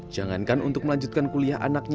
jangankan untuk melanjutkan kuliah anaknya